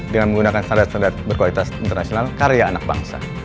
dengan menggunakan standar standar berkualitas internasional karya anak bangsa